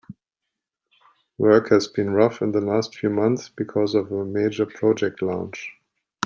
Work has been rough in the last few months because of a major project launch.